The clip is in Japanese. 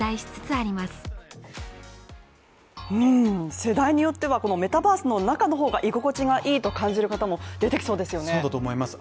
世代によってはこのメタバースの中の方が居心地が良いと感じる方も出てきそうですよね